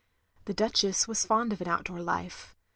The Duchess was fond of an outdoor life.